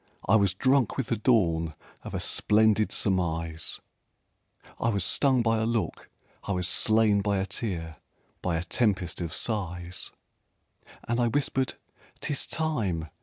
I was drunk with the dawn Of a splendid surmise I was stung by a look, I was slain by a tear, by a tempest of sighs. And I whispered "'Tis time!